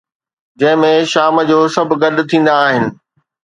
جنهن ۾ شام جو سڀ گڏ ٿيندا آهن